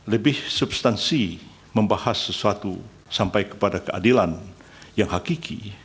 lebih substansi membahas sesuatu sampai kepada keadilan yang hakiki